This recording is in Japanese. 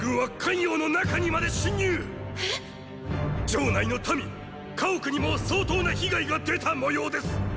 ⁉城内の民・家屋にも相当な被害が出たもようです！